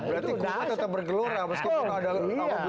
berarti gue tetap bergelora meskipun ada